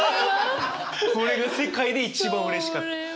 これが世界で一番うれしかった。